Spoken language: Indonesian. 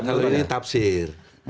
seluruh ini tafsir